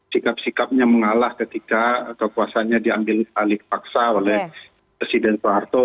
sikap sikapnya mengalah ketika kekuasaannya diambil alih paksa oleh presiden soeharto